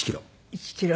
１キロ。